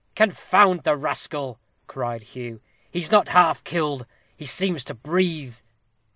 "Confound the rascal!" cried Hugh, "he's not half killed; he seems to breathe."